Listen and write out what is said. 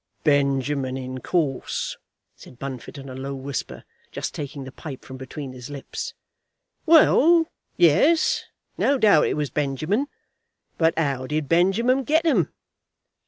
"Benjamin, in course," said Bunfit, in a low whisper, just taking the pipe from between his lips. "Well; yes. No doubt it was Benjamin. But how did Benjamin get 'em?"